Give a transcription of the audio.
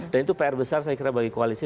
dan itu pr besar saya kira bagi koalisi